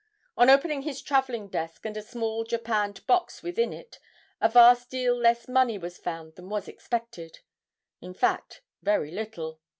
'On opening his travelling desk and a small japanned box within it a vast deal less money was found than was expected in fact, very little.